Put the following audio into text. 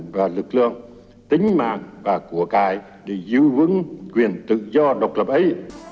và lực lượng tính mạng và của cái để giữ vững quyền tự do độc lập ấy